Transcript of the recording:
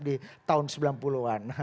di tahun sembilan puluh an